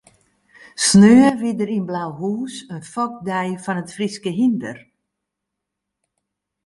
Sneon wie der yn Blauhûs in fokdei fan it Fryske hynder.